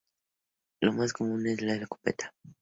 La más común es la escopeta.